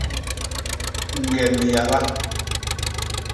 Ñgem yada.